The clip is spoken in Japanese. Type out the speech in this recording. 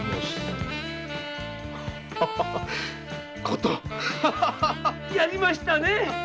“琴”‼やりましたね！